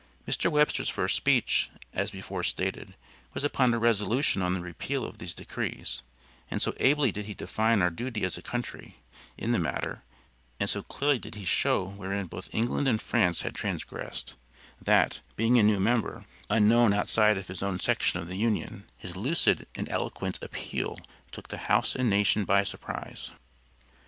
Mr. Webster's first speech, as before stated, was upon a resolution on the repeal of these decrees, and so ably did he define our duty as a country, in the matter, and so clearly did he show wherein both England and France had transgressed; that, being a new member, unknown outside of his own section of the Union, his lucid and eloquent appeal took the house and nation by surprise.